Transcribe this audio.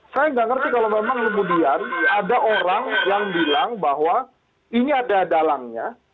saya tidak mengerti kalau memang lembu diari ada orang yang bilang bahwa ini ada dalangnya